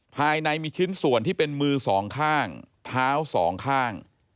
ภายในมีชิ้นส่วนที่เป็นมือสองข้างเท้าสองข้าง